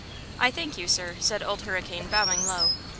"I thank you, sir," said Old Hurricane, bowing low.